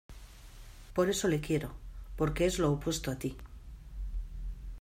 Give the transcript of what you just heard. por eso le quiero, porque es lo opuesto a ti.